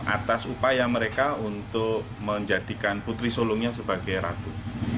atas upaya mereka untuk menjadikan putri sulungnya sebagai ratu